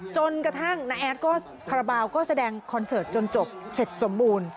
จนกระทั่งน้าแอดก็คาราบาลก็แสดงคอนเสิร์ตจนจบเสร็จสมบูรณ์